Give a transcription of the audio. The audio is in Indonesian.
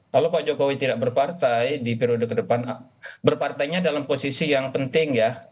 kalau pak jokowi tidak berpartai di periode ke depan berpartainya dalam posisi yang penting ya